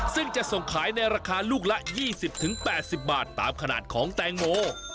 ซึ่งจะส่งขายในราคาลูกละยี่สิบถึงแปดสิบบาทตามขนาดของแตงโม